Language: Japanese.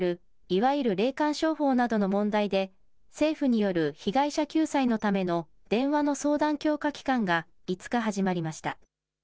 いわゆる霊感商法などの問題で、政府による被害者救済のための電話の相談強化期間が５日始まりました。